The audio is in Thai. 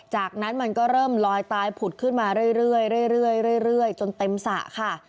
จากนั้นมันก็เริ่มลอยตายผุดขึ้นมาเรื่อยจนเต็มสระค่ะ